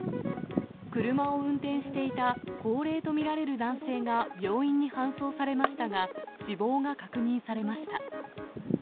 車を運転していた高齢と見られる男性が病院に搬送されましたが、死亡が確認されました。